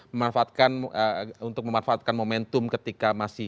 memanfaatkan untuk memanfaatkan momentum ketika masih